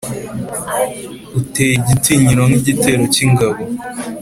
uteye igitinyiro nk’igitero cy’ingabo?»